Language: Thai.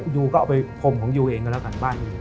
ยูก็เอาไปพรมของยูเองก็แล้วกันบ้านยู